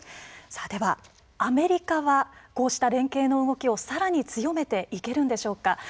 さあではアメリカはこうした連携の動きをさらに強めていけるんでしょうか。